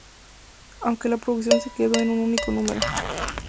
Aunque la producción se quedó en un único número.